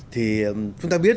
thì chúng ta biết